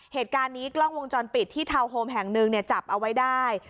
เหตุการณ์นี้กล้องวงจรปิดที่ทาวน์โฮมแห่งหนึ่งจับเอาไว้ได้